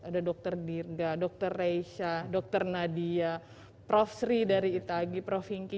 ada dokter dirga dokter reysha dokter nadia prof sri dari itagi prof hinki